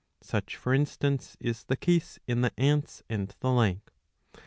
^ Such for instance is the case in the Ants and the like.